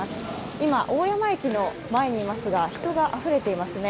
今、大山駅の前にいますが人があふれていますね。